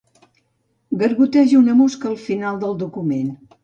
Gargoteja una mosca al final del document.